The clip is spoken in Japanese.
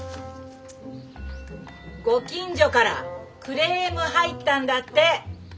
ご近所からクレーム入ったんだって。